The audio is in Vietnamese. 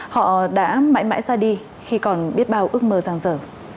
họ đã mãi mãi ra đi khi còn biết bao ước mơ ràng rở